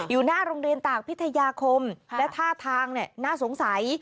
อยู่หน้าโรงเรียนตากพิทยาคมและท่าทางน่าสงสัย